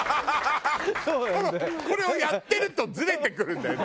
これをやってるとずれてくるんだよ。